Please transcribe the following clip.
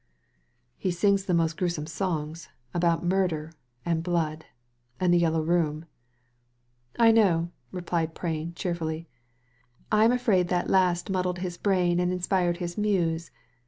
*" He sings the most gruesome songs — about murder, and blood, and the Yellow Room." "I know," replied Prain, cheerfully. "I am afraid that last muddled his brain and inspired his muse.